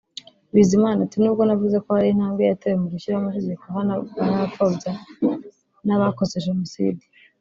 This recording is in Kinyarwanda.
Bizimana ati “Nubwo navuze ko hari intambwe yatewe mu gushyiraho amategeko ahana abapfobya n’abakoze Jenoside